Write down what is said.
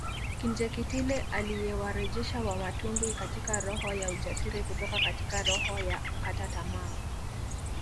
Kinjekitile aliyewarejesha Wamatumbi katika roho ya ujasiri kutoka katika roho ya kukata tamaa